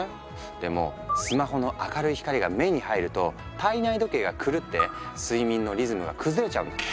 でもスマホの明るい光が目に入ると体内時計が狂って睡眠のリズムが崩れちゃうんだって。